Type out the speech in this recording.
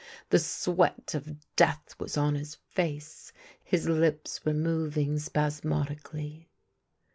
The sweat of death was on his face; his lip5 were moving spasmodically.